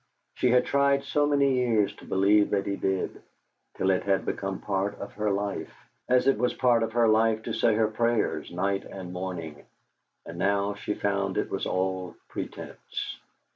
She had tried so many years to believe that he did, till it had become part of her life, as it was part of her life to say her prayers night and morning; and now she found it was all pretence.